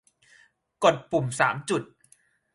กดปุ่มสามจุด